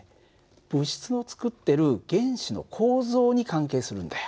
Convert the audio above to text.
物質を作ってる原子の構造に関係するんだよ。